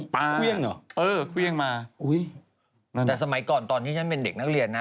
ปาเออเขี้ยงมาอุ้ยแต่สมัยก่อนตอนที่ฉันเป็นเด็กนักเรียนนะ